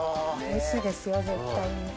おいしいですよ絶対に。